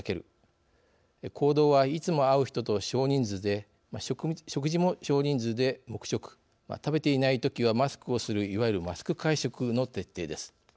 行動はいつも会う人と少人数で食事も少人数で黙食食べていないときはマスクをするいわゆる「マスク会食」の徹底です。